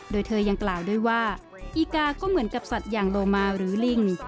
โดยเธอยังกล่าวด้วยว่าอีกาก็เหมือนกับสัตว์อย่างโลมาหรือลิง